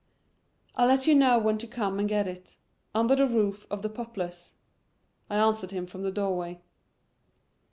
"I'll let you know when to come and get it under the roof of the Poplars," I answered him from the doorway.